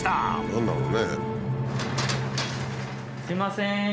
すいません。